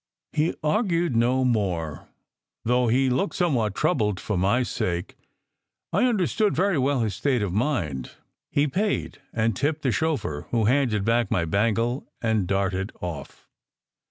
He argued no more, though he looked somewhat troubled for my sake. I understood very well his state of mind. He paid and tipped the chauffeur, who handed back my bangle and darted off.